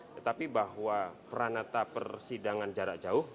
tetapi bahwa peranata persidangan jarak jauh